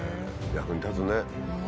役に立つね。